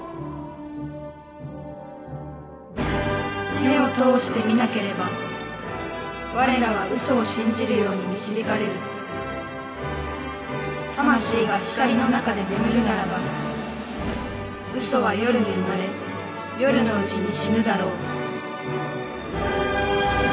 「目を通して見なければ我らは嘘を信じるように導かれる」「魂が光の中で眠るならば嘘は夜に生まれ夜のうちに死ぬだろう」